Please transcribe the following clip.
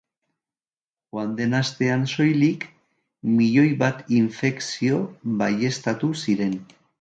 Joan den astean soilik, milioi bat infekzio baieztatu ziren.